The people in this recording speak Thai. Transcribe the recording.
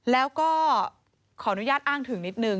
แล้วก็ขออนุญาตอ้างถึงนิดนึง